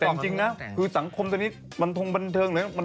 แต่จริงนะคือสังคมตอนนี้บันทงบันเทิงเลย